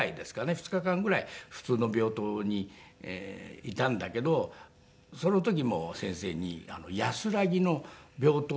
２日間ぐらい普通の病棟にいたんだけどその時先生にやすらぎの病棟ってありましてね。